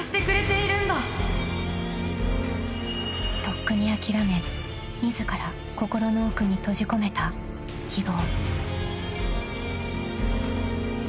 ［とっくに諦め自ら心の奥に閉じ込めた希望］